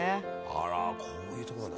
「あらこういう所なんだ」